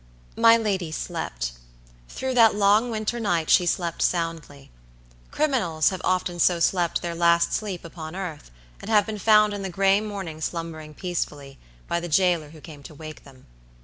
My lady slept. Through that long winter night she slept soundly. Criminals have often so slept their last sleep upon earth; and have been found in the gray morning slumbering peacefully, by the jailer who came to wake them.